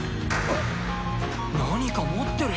・何か持ってる！